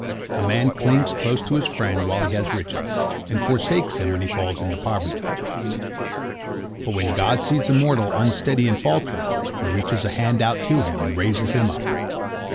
A man clings close to his friend while he has riches, and forsakes him when he falls into poverty. But when God sees a mortal unsteady and faltering, He reaches a hand out to him, and raises him up.